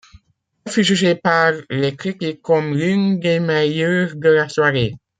Elle fut jugé par les critiques comme l'une des meilleures de la soirée.